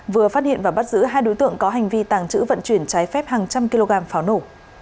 vừa phát hiện và bắt giữ hai đối tượng có hành vi tàng trữ vận chuyển trái phép hàng trăm kg pháo nổ